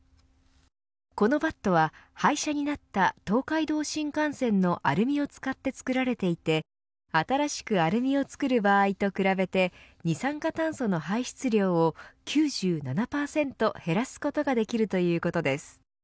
このバットは、廃車になった東海道新幹線のアルミを使って作られていて新しくアルミを作る場合と比べて二酸化炭素の排出量を９７％減らすことができるということです。